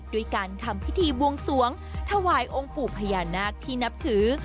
ด้วยการทำพิธีบวงสวงถวายองค์ปู่พญานาคที่นับถือ